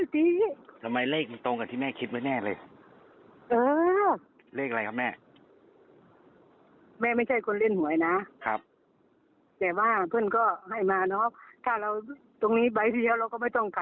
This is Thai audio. ตีนี่นะเขาก็บอกแล้วว่าตีเงียบไว้นะ